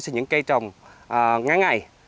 sang những cây trồng ngắn ngày